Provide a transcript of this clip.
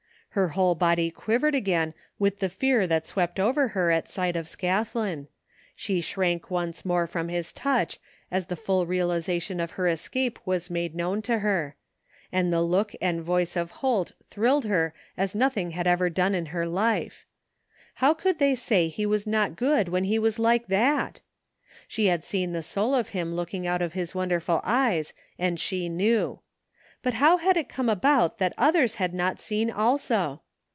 Her whole body quivered again with the fear tiiat swept over her at sight of Scathlin; she shrank once more from his touch as the full realization of her escape was made known to her ; and the look and voice of Holt thrilled her as nothing had ever done in her life. How could they say he was not good when he was like that ? She had seen the soul of him looking out of his wonderful eyes and she knew. But how had it come about that others had not seen, also?